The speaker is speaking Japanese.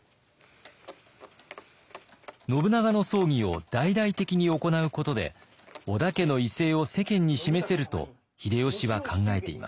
信長の葬儀を大々的に行うことで織田家の威勢を世間に示せると秀吉は考えていました。